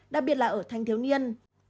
đặc biệt là ở thanh thiếu niên